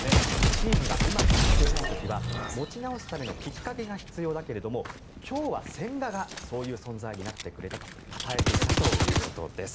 チームがうまくいっていない時は持ち直すためのきっかけが必要だけれども今日は千賀がそういう存在になってくれたと称えていたということです。